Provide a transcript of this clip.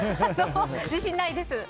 自信ないです。